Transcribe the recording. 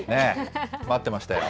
待ってましたよ。